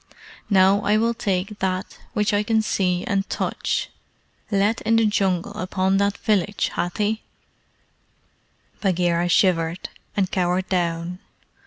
Now I will take that which I can see and touch. Let in the Jungle upon that village, Hathi!" Bagheera shivered, and cowered down.